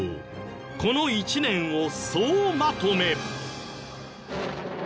この１年を総まとめ。